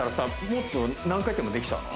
もっと何回転もできちゃうの？